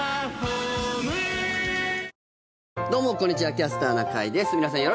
「キャスターな会」です。